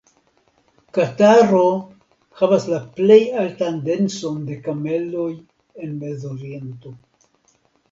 Kataro havas la plej altan denson de kameloj en Mezoriento.